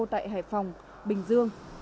tại hải phòng bình dương